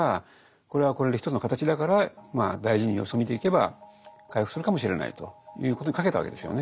これはこれで一つの形だからまあ大事に様子を見ていけば回復するかもしれないということにかけたわけですよね